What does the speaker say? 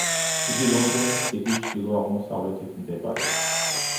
იგი ლონდონის სიტის ჩრდილოაღმოსავლეთით მდებარეობს.